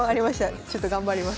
ちょっと頑張ります。